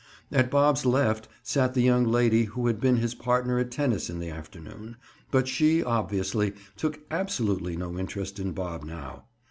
At Bob's left sat the young lady who had been his partner at tennis in the afternoon but she, obviously, took absolutely no interest in Bob now.